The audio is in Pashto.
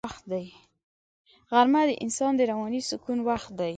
غرمه د انسان د رواني سکون وخت دی